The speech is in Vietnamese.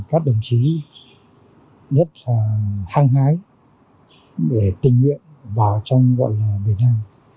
các đồng chí rất là hăng hái để tình nguyện vào trong gọi là việt nam